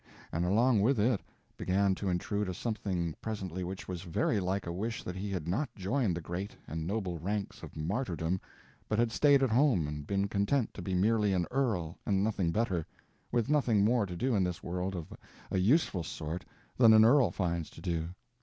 And along with it began to intrude a something presently which was very like a wish that he had not joined the great and noble ranks of martyrdom, but had stayed at home and been content to be merely an earl and nothing better, with nothing more to do in this world of a useful sort than an earl finds to do.